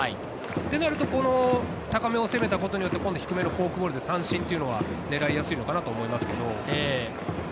となると高めを攻めたことによって今度は低めのフォークボールで三振というのが狙いやすいのかなと思いますけれど。